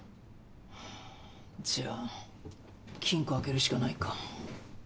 うんじゃあ金庫開けるしかないか。